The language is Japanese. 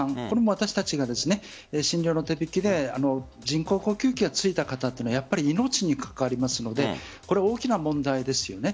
これも私たちが診療の手引きで人工呼吸器がついた方というのは命に関わりますのでこれは大きな問題です。